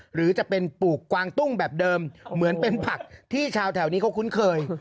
หรือจะเป็นปลูกกวางตุ้งแบบเดิมเหมือนเป็นผักที่ชาวแถวนี้เขาคุ้นเคย